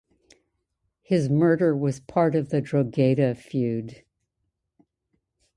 His murder was part of the Drogheda feud.